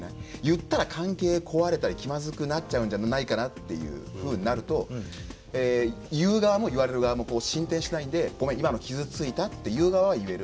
言ったら関係壊れたり気まずくなっちゃうんじゃないかなっていうふうになると言う側も言われる側も進展しないんで「ごめん今の傷ついた」って言う側は言える。